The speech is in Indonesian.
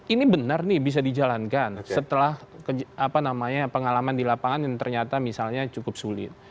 ini benar nih bisa dijalankan setelah pengalaman di lapangan yang ternyata misalnya cukup sulit